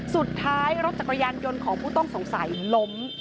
สุดท้ายรถจักรยานยนต์ของผู้ต้องสงสัยล้ม